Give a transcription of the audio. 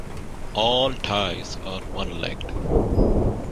All ties are one-legged.